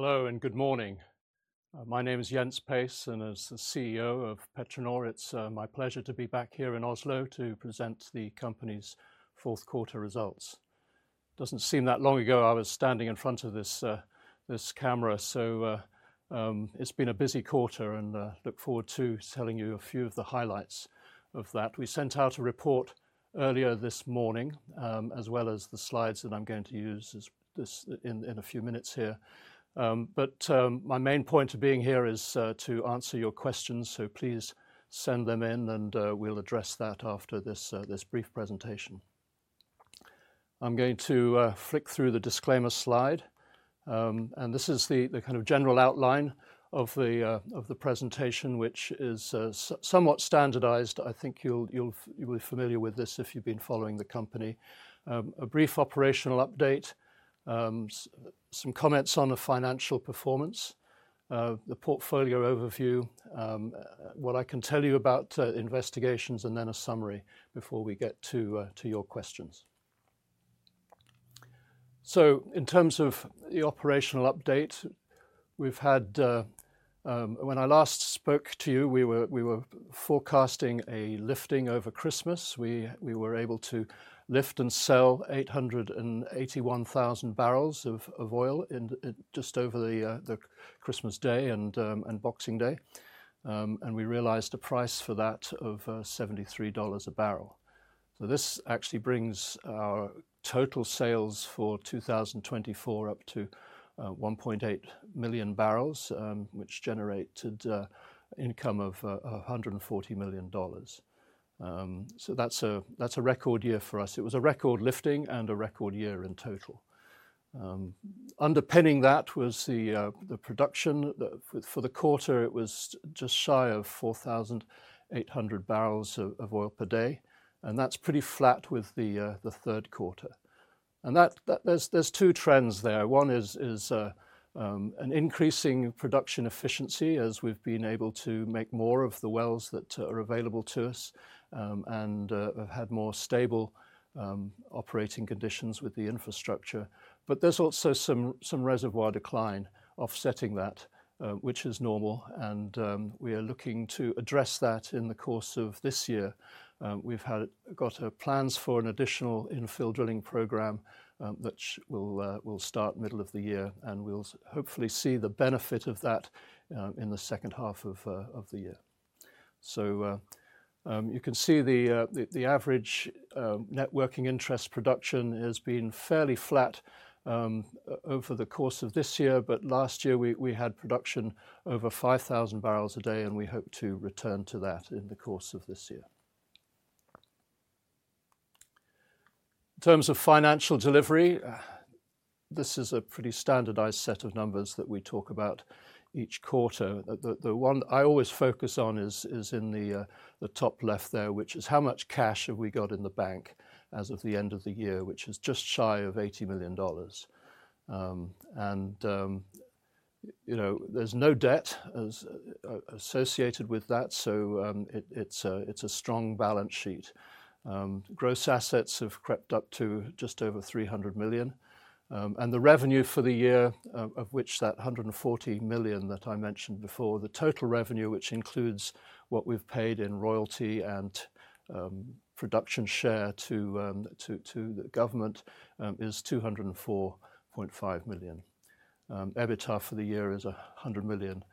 Hello and good morning. My name is Jens Pace, and as the CEO of PetroNor, it's my pleasure to be back here in Oslo to present the company's fourth quarter results. It doesn't seem that long ago I was standing in front of this camera, so it's been a busy quarter, and I look forward to telling you a few of the highlights of that. We sent out a report earlier this morning, as well as the slides that I'm going to use in a few minutes here. My main point of being here is to answer your questions, so please send them in, and we'll address that after this brief presentation. I'm going to flick through the disclaimer slide, and this is the kind of general outline of the presentation, which is somewhat standardized. I think you'll be familiar with this if you've been following the company. A brief operational update, some comments on the financial performance, the portfolio overview, what I can tell you about investigations, and then a summary before we get to your questions. In terms of the operational update, when I last spoke to you, we were forecasting a lifting over Christmas. We were able to lift and sell 881,000 barrels of oil just over Christmas Day and Boxing Day, and we realized a price for that of $73 a barrel. This actually brings our total sales for 2024 up to 1.8 million barrels, which generated income of $140 million. That is a record year for us. It was a record lifting and a record year in total. Underpinning that was the production for the quarter. It was just shy of 4,800 barrels of oil per day, and that is pretty flat with the third quarter. There are two trends there. One is an increasing production efficiency as we've been able to make more of the wells that are available to us and have had more stable operating conditions with the infrastructure. There is also some reservoir decline offsetting that, which is normal, and we are looking to address that in the course of this year. We've got plans for an additional infill drilling program that will start middle of the year, and we'll hopefully see the benefit of that in the second half of the year. You can see the average net working interest production has been fairly flat over the course of this year, but last year we had production over 5,000 barrels a day, and we hope to return to that in the course of this year. In terms of financial delivery, this is a pretty standardized set of numbers that we talk about each quarter. The one I always focus on is in the top left there, which is how much cash have we got in the bank as of the end of the year, which is just shy of $80 million. There's no debt associated with that, so it's a strong balance sheet. Gross assets have crept up to just over $300 million. The revenue for the year, of which that $140 million that I mentioned before, the total revenue, which includes what we've paid in royalty and production share to the government, is $204.5 million. EBITDA for the year is $100 million.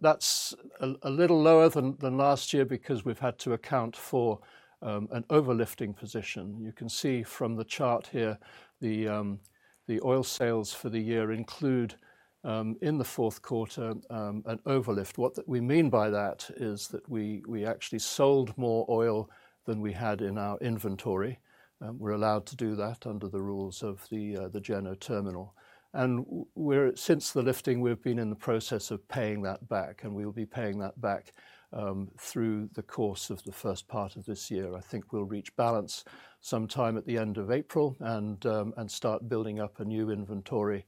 That's a little lower than last year because we've had to account for an overlifting position. You can see from the chart here the oil sales for the year include in the fourth quarter an overlift. What we mean by that is that we actually sold more oil than we had in our inventory. We are allowed to do that under the rules of the Djeno terminal. Since the lifting, we have been in the process of paying that back, and we will be paying that back through the course of the first part of this year. I think we will reach balance sometime at the end of April and start building up a new inventory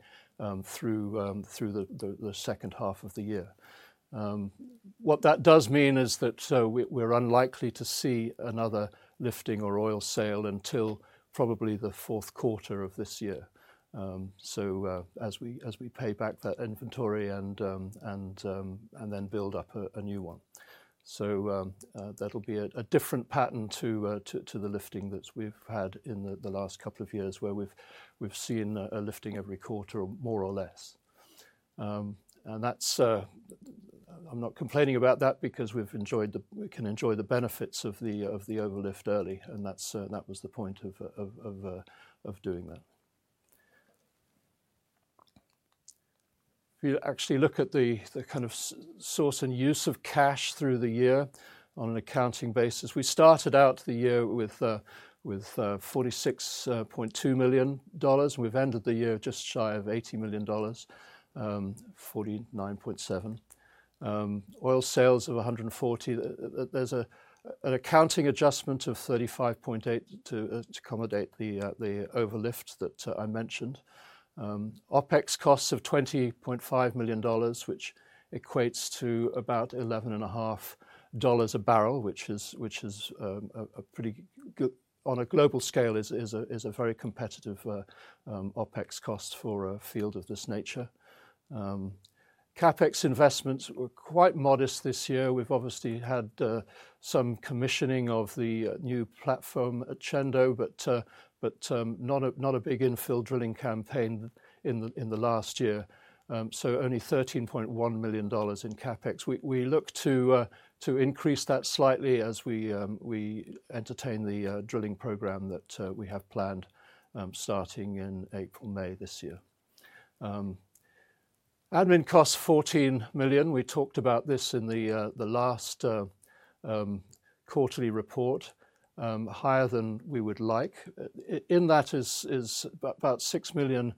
through the second half of the year. What that does mean is that we are unlikely to see another lifting or oil sale until probably the fourth quarter of this year as we pay back that inventory and then build up a new one. That will be a different pattern to the lifting that we have had in the last couple of years where we have seen a lifting every quarter more or less. I'm not complaining about that because we can enjoy the benefits of the overlift early, and that was the point of doing that. If you actually look at the kind of source and use of cash through the year on an accounting basis, we started out the year with $46.2 million, and we've ended the year just shy of $80 million, $49.7 million. Oil sales of 140. There's an accounting adjustment of $35.8 million to accommodate the overlift that I mentioned. OpEx costs of $20.5 million, which equates to about $11.5 per barrel, which is a pretty good, on a global scale, is a very competitive OpEx cost for a field of this nature. CapEx investments were quite modest this year. We've obviously had some commissioning of the new platform at Tchendo, but not a big infill drilling campaign in the last year. Only $13.1 million in CapEx. We look to increase that slightly as we entertain the drilling program that we have planned starting in April, May this year. Admin costs $14 million. We talked about this in the last quarterly report, higher than we would like. In that is about $6 million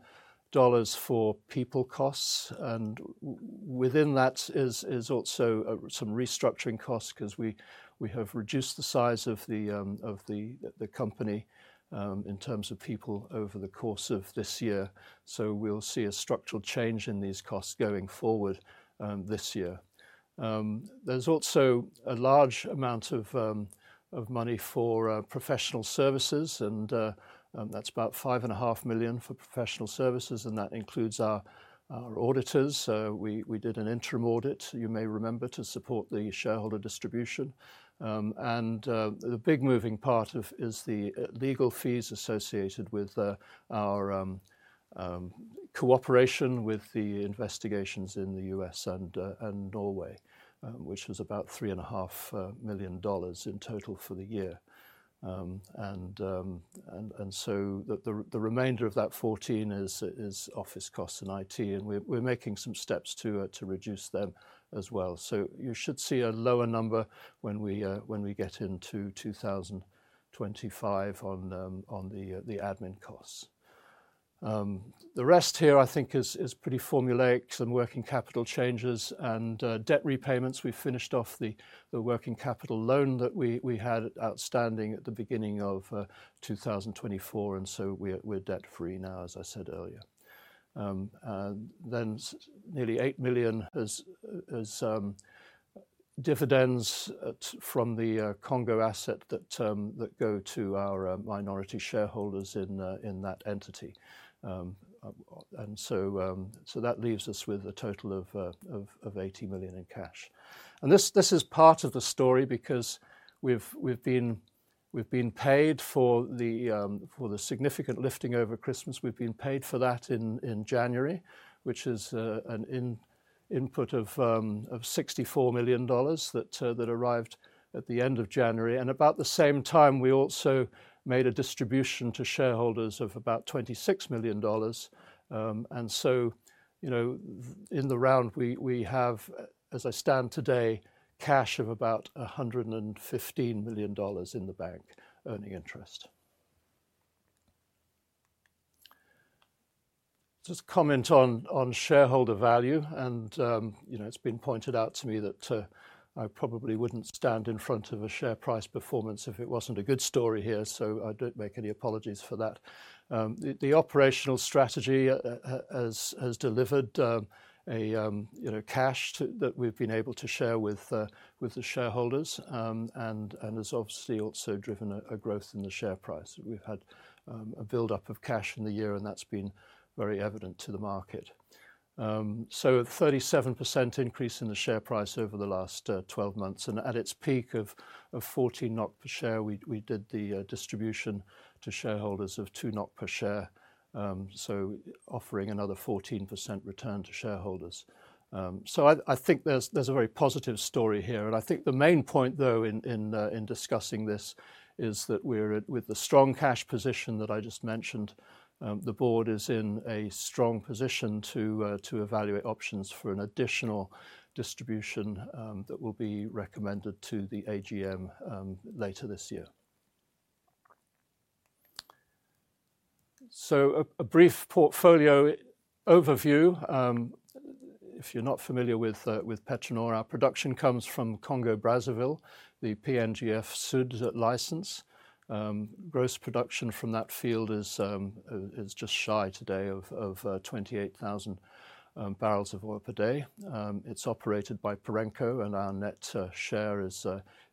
for people costs, and within that is also some restructuring costs because we have reduced the size of the company in terms of people over the course of this year. We will see a structural change in these costs going forward this year. There is also a large amount of money for professional services, and that is about $5.5 million for professional services, and that includes our auditors. We did an interim audit, you may remember, to support the shareholder distribution. The big moving part is the legal fees associated with our cooperation with the investigations in the U.S. and Norway, which was about $3.5 million in total for the year. The remainder of that $14 million is office costs and IT, and we're making some steps to reduce them as well. You should see a lower number when we get into 2025 on the admin costs. The rest here, I think, is pretty formulaic and working capital changes and debt repayments. We finished off the working capital loan that we had outstanding at the beginning of 2024, and we're debt-free now, as I said earlier. Nearly $8 million as dividends from the Congo asset go to our minority shareholders in that entity. That leaves us with a total of $80 million in cash. This is part of the story because we've been paid for the significant lifting over Christmas. We've been paid for that in January, which is an input of $64 million that arrived at the end of January. At about the same time, we also made a distribution to shareholders of about $26 million. In the round, we have, as I stand today, cash of about $115 million in the bank earning interest. Just comment on shareholder value, and it's been pointed out to me that I probably wouldn't stand in front of a share price performance if it wasn't a good story here, so I don't make any apologies for that. The operational strategy has delivered cash that we've been able to share with the shareholders and has obviously also driven a growth in the share price. We've had a buildup of cash in the year, and that's been very evident to the market. A 37% increase in the share price over the last 12 months. At its peak of 14 per share, we did the distribution to shareholders of 2 per share, offering another 14% return to shareholders. I think there's a very positive story here. I think the main point, though, in discussing this is that with the strong cash position that I just mentioned, the board is in a strong position to evaluate options for an additional distribution that will be recommended to the AGM later this year. A brief portfolio overview. If you're not familiar with PetroNor, our production comes from Congo-Brazzaville, the PNGF Sud license. Gross production from that field is just shy today of 28,000 barrels of oil per day. It's operated by Perenco, and our net share is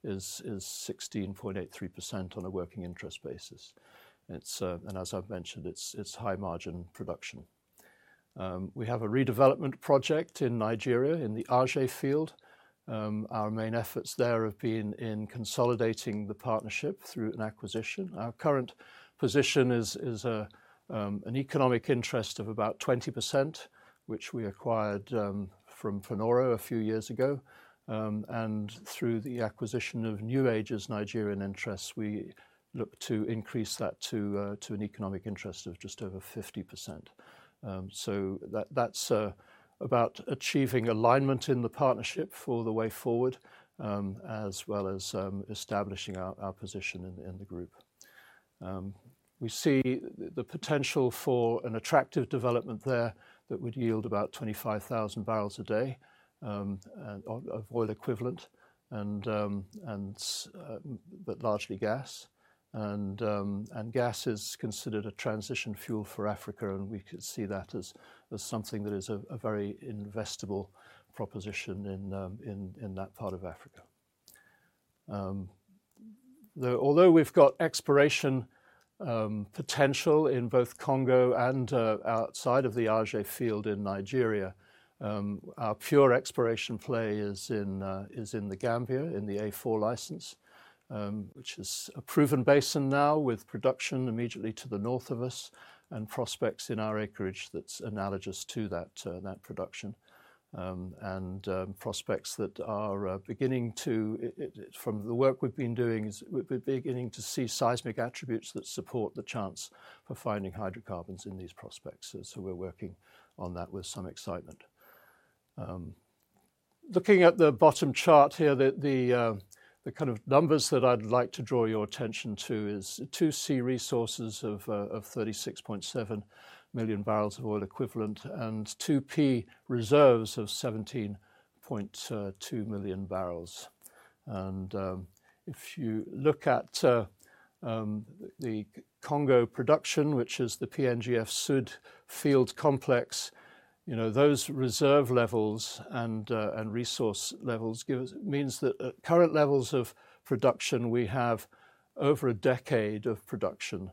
16.83% on a working interest basis. As I've mentioned, it's high-margin production. We have a redevelopment project in Nigeria in the Aje field. Our main efforts there have been in consolidating the partnership through an acquisition. Our current position is an economic interest of about 20%, which we acquired from Panoro a few years ago. Through the acquisition of New Age's Nigerian interests, we look to increase that to an economic interest of just over 50%. That is about achieving alignment in the partnership for the way forward, as well as establishing our position in the group. We see the potential for an attractive development there that would yield about 25,000 barrels a day of oil equivalent, but largely gas. Gas is considered a transition fuel for Africa, and we could see that as something that is a very investable proposition in that part of Africa. Although we've got exploration potential in both Congo and outside of the Aje field in Nigeria, our pure exploration play is in The Gambia in the A4 license, which is a proven basin now with production immediately to the north of us and prospects in our acreage that's analogous to that production. Prospects that are beginning to, from the work we've been doing, we're beginning to see seismic attributes that support the chance for finding hydrocarbons in these prospects. We are working on that with some excitement. Looking at the bottom chart here, the kind of numbers that I'd like to draw your attention to is 2C resources of 36.7 million barrels of oil equivalent and 2 P reserves of 17.2 million barrels. If you look at the Congo production, which is the PNGF Sud field complex, those reserve levels and resource levels mean that at current levels of production, we have over a decade of production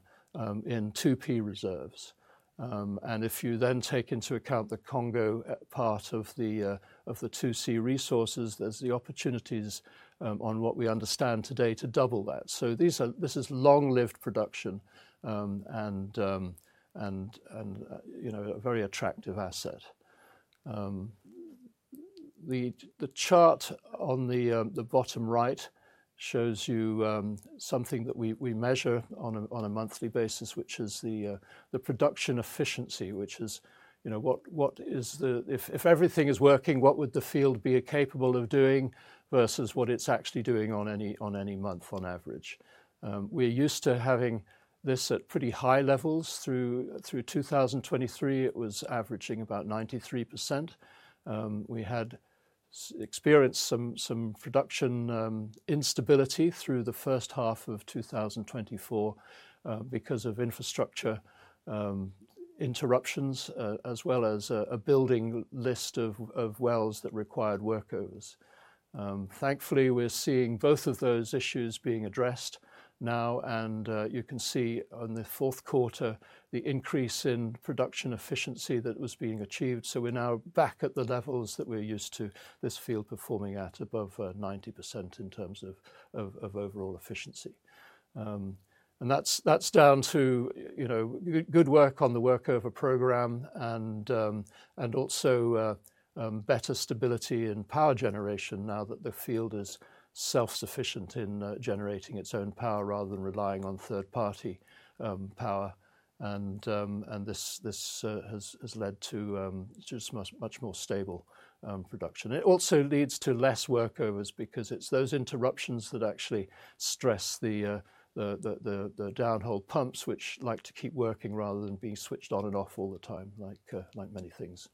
in 2P reserves. If you then take into account the Congo part of the 2C resources, there is the opportunity on what we understand today to double that. This is long-lived production and a very attractive asset. The chart on the bottom right shows you something that we measure on a monthly basis, which is the production efficiency, which is what is the, if everything is working, what would the field be capable of doing versus what it's actually doing on any month on average. We're used to having this at pretty high levels. Through 2023, it was averaging about 93%. We had experienced some production instability through the first half of 2024 because of infrastructure interruptions, as well as a building list of wells that required workers. Thankfully, we're seeing both of those issues being addressed now, and you can see on the fourth quarter the increase in production efficiency that was being achieved. We're now back at the levels that we're used to this field performing at, above 90% in terms of overall efficiency. That is down to good work on the workover program and also better stability in power generation now that the field is self-sufficient in generating its own power rather than relying on third-party power. This has led to just much more stable production. It also leads to less workovers because it is those interruptions that actually stress the downhole pumps, which like to keep working rather than being switched on and off all the time, like many things.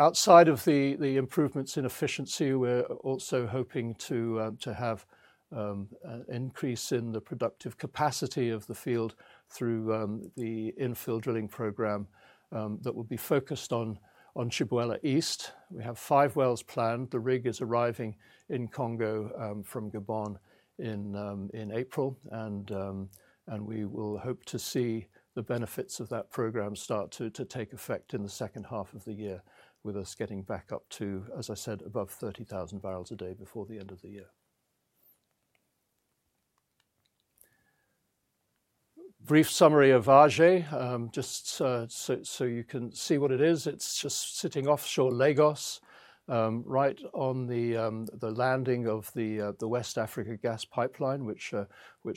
Outside of the improvements in efficiency, we are also hoping to have an increase in the productive capacity of the field through the infill drilling program that will be focused on Tchibouela East. We have five wells planned. The rig is arriving in Congo from Gabon in April, and we will hope to see the benefits of that program start to take effect in the second half of the year, with us getting back up to, as I said, above 30,000 barrels a day before the end of the year. Brief summary of Aje, just so you can see what it is. It's just sitting offshore Lagos, right on the landing of the West Africa gas pipeline, which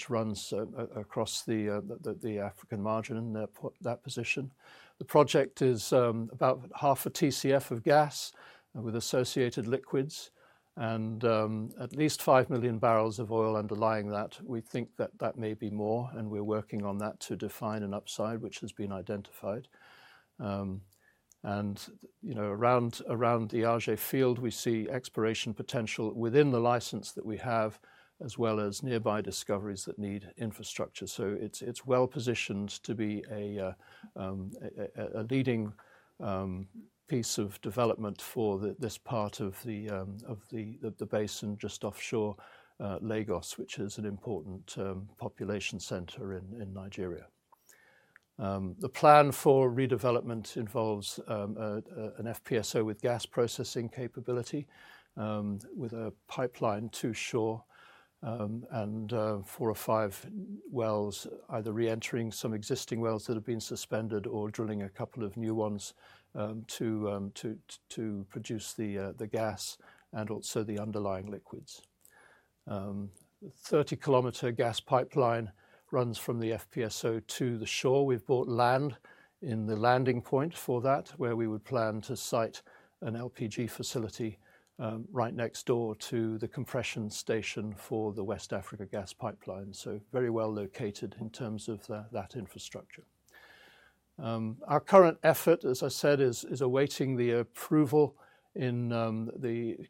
runs across the African margin in that position. The project is about half a TCF of gas with associated liquids and at least 5 million barrels of oil underlying that. We think that that may be more, and we're working on that to define an upside, which has been identified. Around the Aje field, we see exploration potential within the license that we have, as well as nearby discoveries that need infrastructure. It is well positioned to be a leading piece of development for this part of the basin just offshore Lagos, which is an important population center in Nigeria. The plan for redevelopment involves an FPSO with gas processing capability with a pipeline to shore and four or five wells, either reentering some existing wells that have been suspended or drilling a couple of new ones to produce the gas and also the underlying liquids. A 30 km gas pipeline runs from the FPSO to the shore. We have bought land in the landing point for that, where we would plan to site an LPG facility right next door to the compression station for the West Africa gas pipeline. It is very well located in terms of that infrastructure. Our current effort, as I said, is awaiting the approval in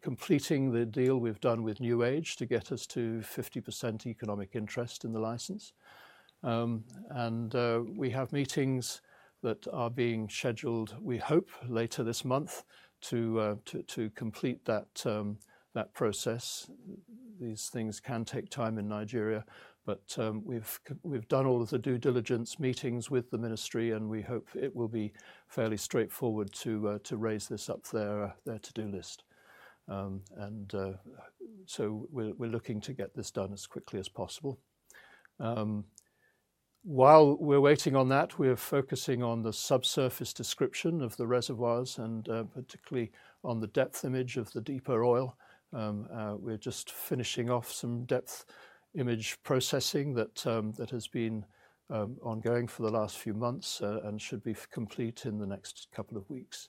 completing the deal we've done with New Age to get us to 50% economic interest in the license. We have meetings that are being scheduled, we hope, later this month to complete that process. These things can take time in Nigeria, but we've done all of the due diligence meetings with the ministry, and we hope it will be fairly straightforward to raise this up their to-do list. We're looking to get this done as quickly as possible. While we're waiting on that, we're focusing on the subsurface description of the reservoirs and particularly on the depth image of the deeper oil. We're just finishing off some depth image processing that has been ongoing for the last few months and should be complete in the next couple of weeks.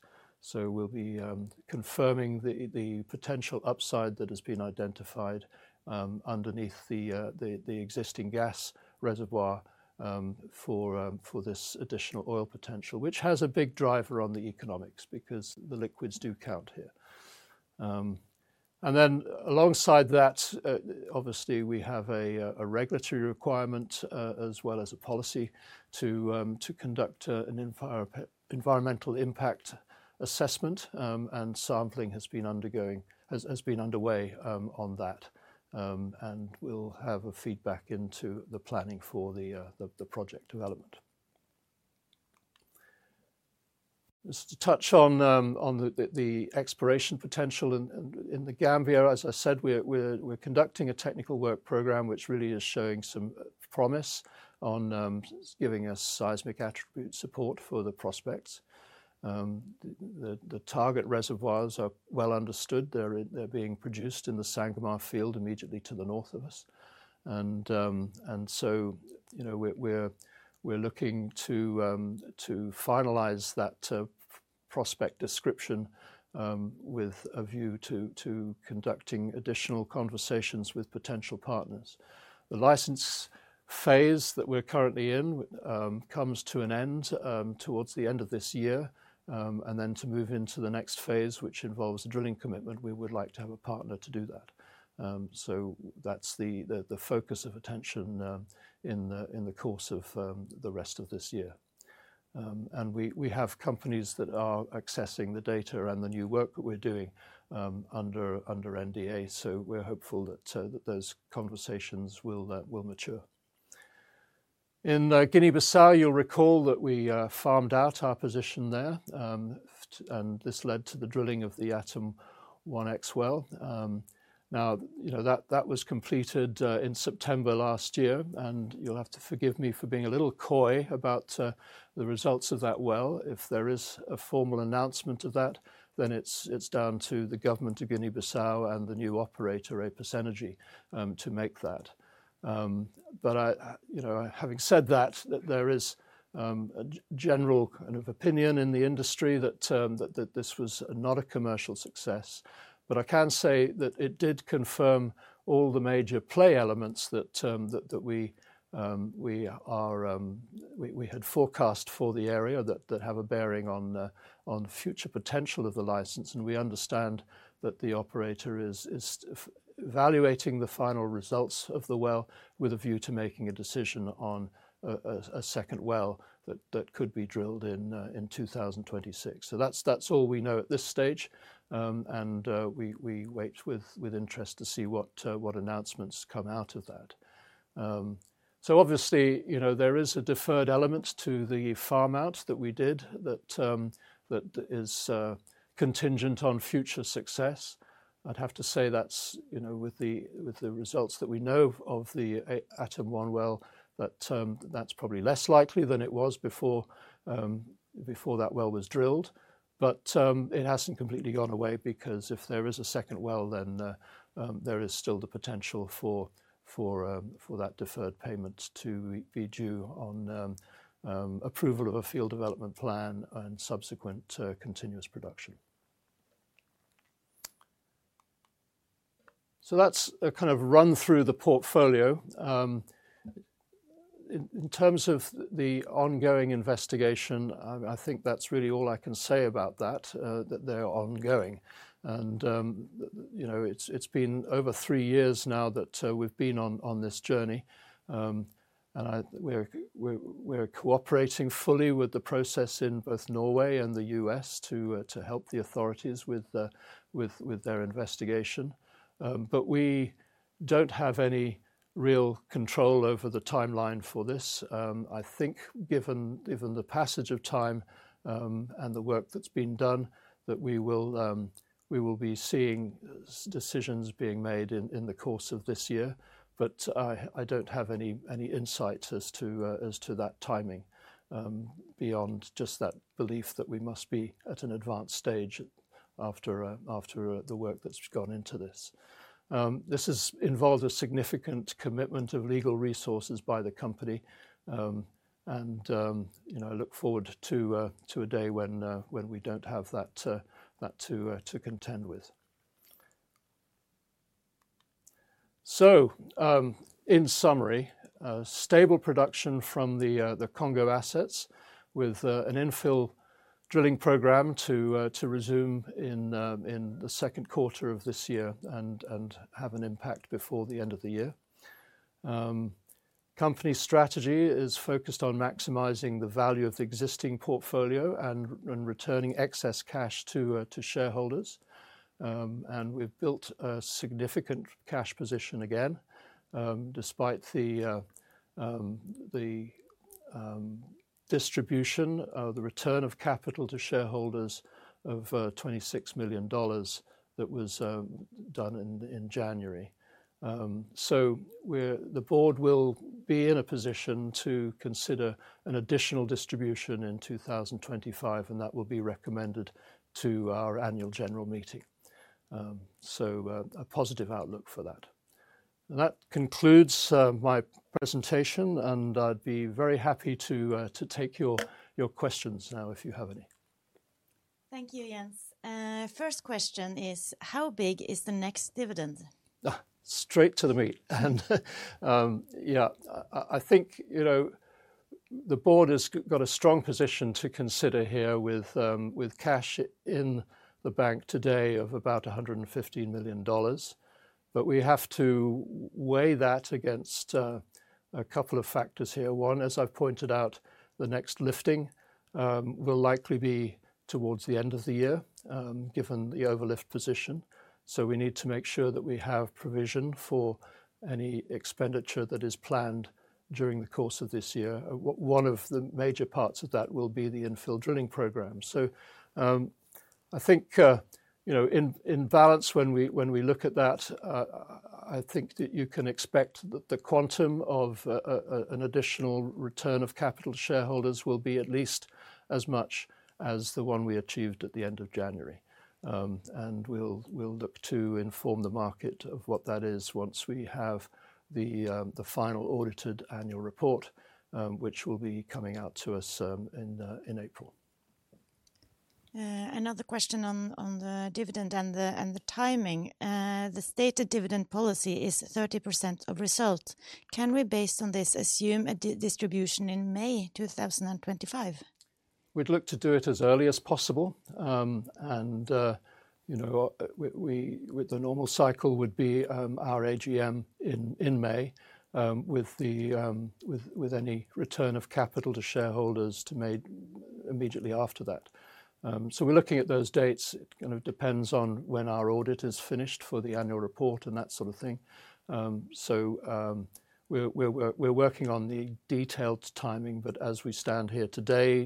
We'll be confirming the potential upside that has been identified underneath the existing gas reservoir for this additional oil potential, which has a big driver on the economics because the liquids do count here. Alongside that, obviously, we have a regulatory requirement as well as a policy to conduct an environmental impact assessment, and sampling has been underway on that. We'll have a feedback into the planning for the project development. Just to touch on the exploration potential in The Gambia, as I said, we're conducting a technical work program, which really is showing some promise on giving us seismic attribute support for the prospects. The target reservoirs are well understood. They're being produced in the Sangomar field immediately to the north of us. We're looking to finalize that prospect description with a view to conducting additional conversations with potential partners. The license phase that we're currently in comes to an end towards the end of this year, and to move into the next phase, which involves a drilling commitment, we would like to have a partner to do that. That is the focus of attention in the course of the rest of this year. We have companies that are accessing the data around the new work that we're doing under NDA, so we're hopeful that those conversations will mature. In Guinea-Bissau, you'll recall that we farmed out our position there, and this led to the drilling of the Atum-1X well. That was completed in September last year, and you'll have to forgive me for being a little coy about the results of that well. If there is a formal announcement of that, then it's down to the government of Guinea-Bissau and the new operator, APUS Energy, to make that. Having said that, there is a general kind of opinion in the industry that this was not a commercial success. I can say that it did confirm all the major play elements that we had forecast for the area that have a bearing on future potential of the license. We understand that the operator is evaluating the final results of the well with a view to making a decision on a second well that could be drilled in 2026. That is all we know at this stage, and we wait with interest to see what announcements come out of that. Obviously, there is a deferred element to the farm out that we did that is contingent on future success. I'd have to say that with the results that we know of the Atum-1 well, that's probably less likely than it was before that well was drilled. It hasn't completely gone away because if there is a second well, then there is still the potential for that deferred payment to be due on approval of a field development plan and subsequent continuous production. That's a kind of run through the portfolio. In terms of the ongoing investigation, I think that's really all I can say about that, that they're ongoing. It's been over three years now that we've been on this journey, and we're cooperating fully with the process in both Norway and the U.S. to help the authorities with their investigation. We don't have any real control over the timeline for this. I think given the passage of time and the work that's been done, that we will be seeing decisions being made in the course of this year. I don't have any insight as to that timing beyond just that belief that we must be at an advanced stage after the work that's gone into this. This has involved a significant commitment of legal resources by the company, and I look forward to a day when we don't have that to contend with. In summary, stable production from the Congo assets with an infill drilling program to resume in the second quarter of this year and have an impact before the end of the year. Company strategy is focused on maximizing the value of the existing portfolio and returning excess cash to shareholders. We have built a significant cash position again, despite the distribution of the return of capital to shareholders of $26 million that was done in January. The board will be in a position to consider an additional distribution in 2025, and that will be recommended to our Annual General Meeting. A positive outlook for that. That concludes my presentation, and I'd be very happy to take your questions now if you have any. Thank you, Jens. First question is, how big is the next dividend? Straight to the meat. Yeah, I think the board has got a strong position to consider here with cash in the bank today of about $115 million. We have to weigh that against a couple of factors here. One, as I've pointed out, the next lifting will likely be towards the end of the year given the overlift position. We need to make sure that we have provision for any expenditure that is planned during the course of this year. One of the major parts of that will be the infill drilling program. I think in balance, when we look at that, I think that you can expect that the quantum of an additional return of capital shareholders will be at least as much as the one we achieved at the end of January. We will look to inform the market of what that is once we have the final audited annual report, which will be coming out to us in April. Another question on the dividend and the timing. The stated dividend policy is 30% of result. Can we, based on this, assume a distribution in May 2025? We'd look to do it as early as possible. With the normal cycle, it would be our AGM in May with any return of capital to shareholders made immediately after that. We are looking at those dates. It kind of depends on when our audit is finished for the annual report and that sort of thing. We are working on the detailed timing, but as we stand here today,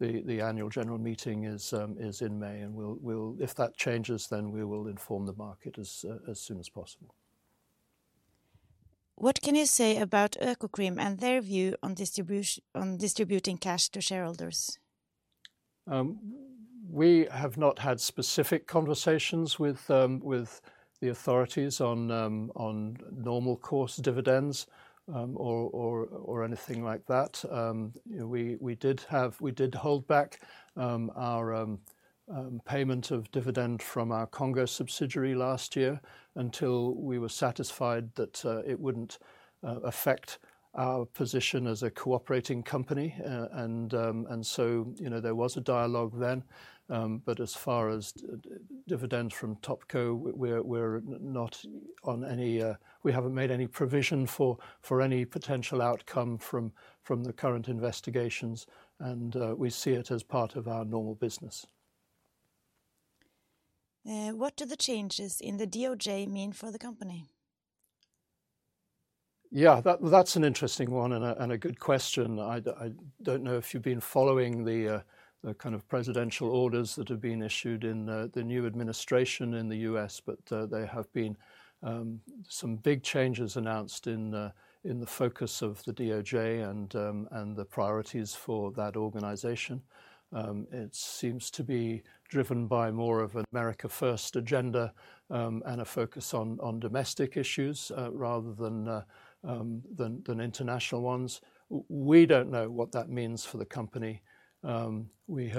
the annual general meeting is in May, and if that changes, then we will inform the market as soon as possible. What can you say about Økokrim and their view on distributing cash to shareholders? We have not had specific conversations with the authorities on normal course dividends or anything like that. We did hold back our payment of dividend from our Congo subsidiary last year until we were satisfied that it would not affect our position as a cooperating company. There was a dialogue then. As far as dividends from Topco, we have not made any provision for any potential outcome from the current investigations, and we see it as part of our normal business. What do the changes in the DOJ mean for the company? Yeah, that's an interesting one and a good question. I don't know if you've been following the kind of presidential orders that have been issued in the new administration in the U.S., but there have been some big changes announced in the focus of the DOJ and the priorities for that organization. It seems to be driven by more of an America First Agenda and a focus on domestic issues rather than international ones. We don't know what that means for the company. We've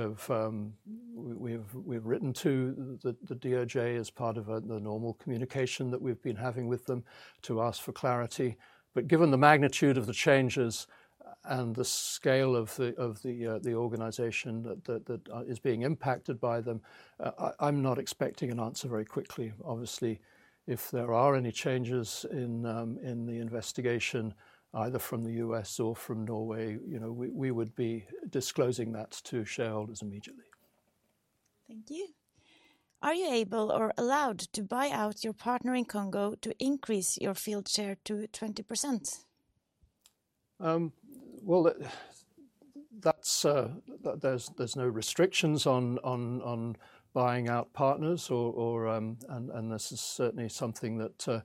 written to the DOJ as part of the normal communication that we've been having with them to ask for clarity. Given the magnitude of the changes and the scale of the organization that is being impacted by them, I'm not expecting an answer very quickly. Obviously, if there are any changes in the investigation, either from the U.S. or from Norway, we would be disclosing that to shareholders immediately. Thank you. Are you able or allowed to buy out your partner in Congo to increase your field share to 20%? There are no restrictions on buying out partners, and this is certainly something that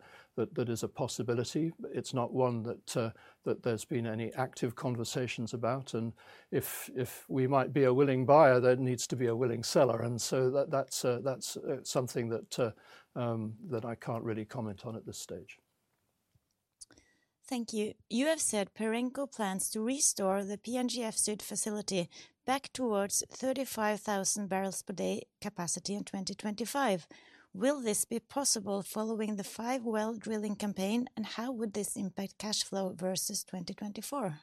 is a possibility. It's not one that there's been any active conversations about. If we might be a willing buyer, there needs to be a willing seller. That is something that I can't really comment on at this stage. Thank you. You have said Perenco plans to restore the PNGF Sud facility back towards 35,000 barrels per day capacity in 2025. Will this be possible following the five well drilling campaign, and how would this impact cash flow versus 2024?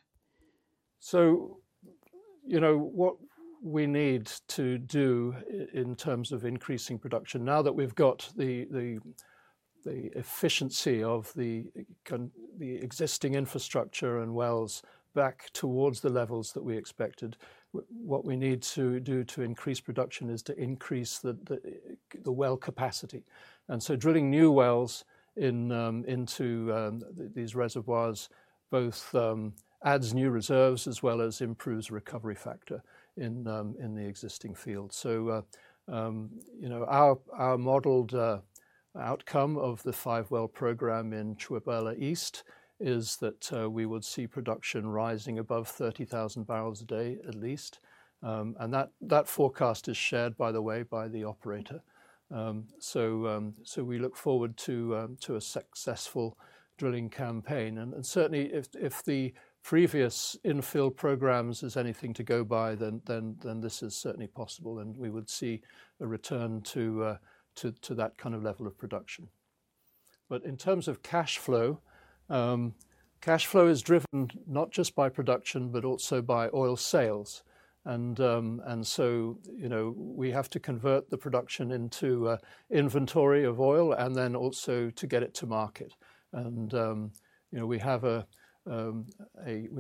What we need to do in terms of increasing production, now that we've got the efficiency of the existing infrastructure and wells back towards the levels that we expected, what we need to do to increase production is to increase the well capacity. Drilling new wells into these reservoirs both adds new reserves as well as improves recovery factor in the existing field. Our modeled outcome of the five well program in Tchibouela East is that we would see production rising above 30,000 barrels a day at least. That forecast is shared, by the way, by the operator. We look forward to a successful drilling campaign. Certainly, if the previous infill program is anything to go by, then this is certainly possible, and we would see a return to that kind of level of production. In terms of cash flow, cash flow is driven not just by production, but also by oil sales. We have to convert the production into inventory of oil and then also to get it to market. We have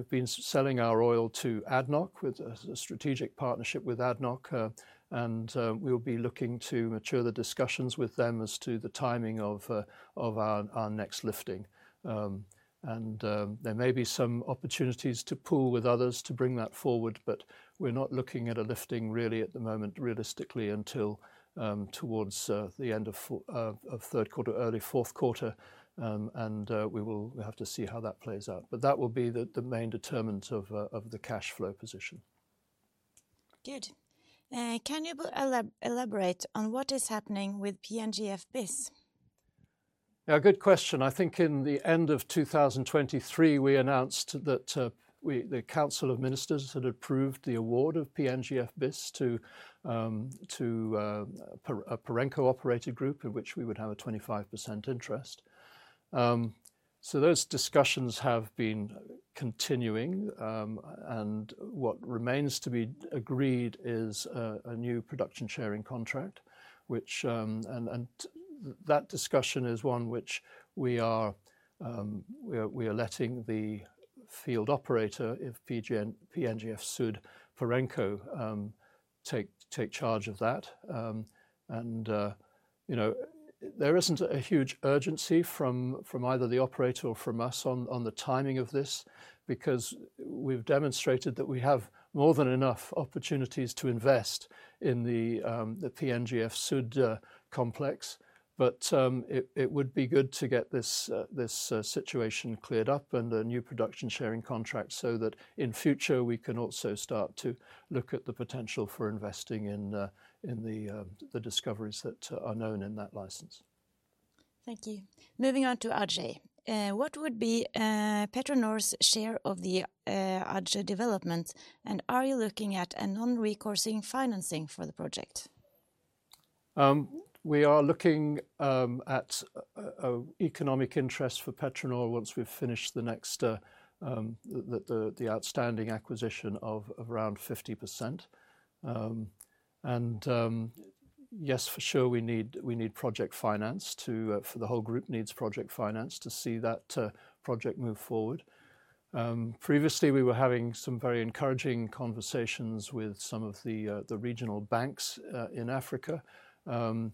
been selling our oil to ADNOC, with a strategic partnership with ADNOC, and we will be looking to mature the discussions with them as to the timing of our next lifting. There may be some opportunities to pool with others to bring that forward, but we are not looking at a lifting really at the moment realistically until towards the end of third quarter, early fourth quarter. We will have to see how that plays out. That will be the main determinant of the cash flow position. Good. Can you elaborate on what is happening with PNGF Bis? Yeah, good question. I think in the end of 2023, we announced that the Council of Ministers had approved the award of PNGF Bis to a Perenco operated group in which we would have a 25% interest. Those discussions have been continuing, and what remains to be agreed is a new production sharing contract. That discussion is one which we are letting the field operator, if PNGF Sud Perenco, take charge of that. There isn't a huge urgency from either the operator or from us on the timing of this because we've demonstrated that we have more than enough opportunities to invest in the PNGF Sud complex. It would be good to get this situation cleared up and a new production sharing contract so that in future we can also start to look at the potential for investing in the discoveries that are known in that license. Thank you. Moving on to Aje. What would be PetroNor's share of the Aje development, and are you looking at a non-recourse financing for the project? We are looking at economic interest for PetroNor once we've finished the outstanding acquisition of around 50%. Yes, for sure, we need project finance for the whole group needs project finance to see that project move forward. Previously, we were having some very encouraging conversations with some of the regional banks in Africa who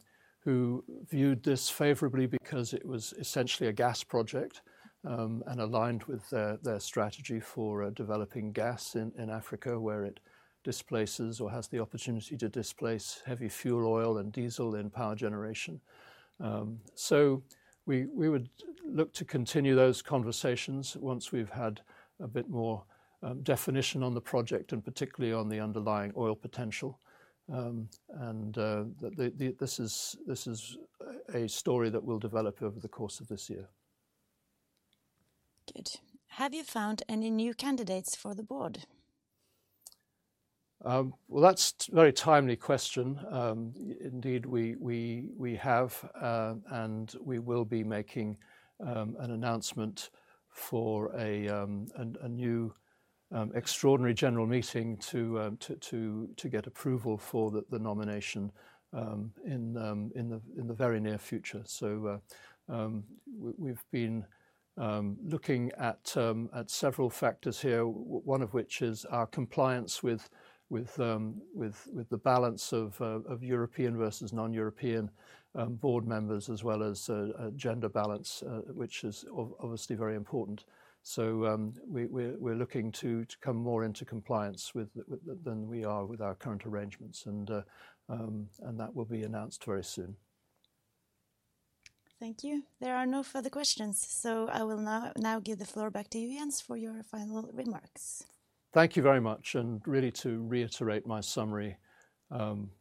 viewed this favorably because it was essentially a gas project and aligned with their strategy for developing gas in Africa where it displaces or has the opportunity to displace heavy fuel oil and diesel in power generation. We would look to continue those conversations once we've had a bit more definition on the project and particularly on the underlying oil potential. This is a story that will develop over the course of this year. Good. Have you found any new candidates for the board? That is a very timely question. Indeed, we have, and we will be making an announcement for a new extraordinary general meeting to get approval for the nomination in the very near future. We have been looking at several factors here, one of which is our compliance with the balance of European versus non-European board members as well as gender balance, which is obviously very important. We are looking to come more into compliance than we are with our current arrangements, and that will be announced very soon. Thank you. There are no further questions. I will now give the floor back to you, Jens, for your final remarks. Thank you very much. To reiterate my summary,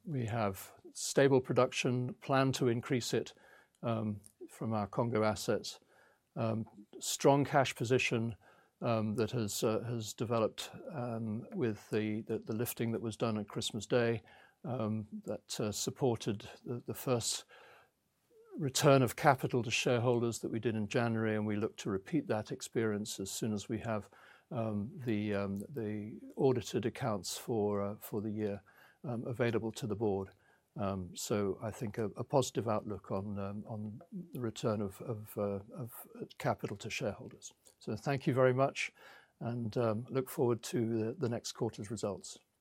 we have stable production, plan to increase it from our Congo assets, strong cash position that has developed with the lifting that was done at Christmas Day that supported the first return of capital to shareholders that we did in January, and we look to repeat that experience as soon as we have the audited accounts for the year available to the board. I think a positive outlook on the return of capital to shareholders. Thank you very much, and look forward to the next quarter's results.